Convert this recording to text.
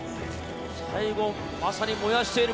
最後、まさに燃やしている。